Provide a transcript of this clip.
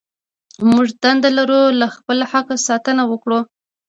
موږ دنده لرو له خپل حق ساتنه وکړو.